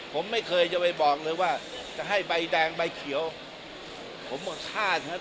ผมไม่เคยจะไปบอกเลยว่าจะให้ใบแดงใบเขียวผมหมดค่านะครับ